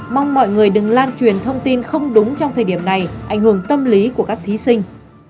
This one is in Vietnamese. mong mọi người đừng lan truyền thông tin không đúng trong thời điểm này ảnh hưởng tâm lý của các thí sinh